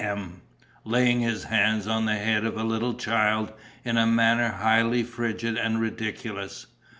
M., laying his hand on the head of a little child in a manner highly frigid and ridiculous.